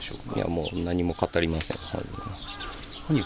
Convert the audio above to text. もう、何も語りません、本人は。